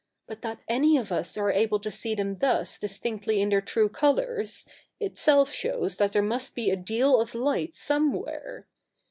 But that any of us are able to see them thus distinctly in their true colours, itself shows that there must be a deal of light somewhere.